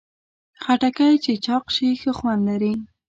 خټکی چې چاق شي، ښه خوند لري.